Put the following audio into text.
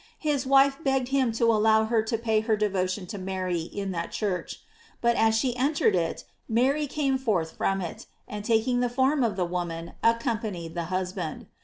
His wife begged him to allow her to pay her devotion to Mary in that church; but as she entered it, Mary came forth from it, and taking the form of the woman, accompanied the husband.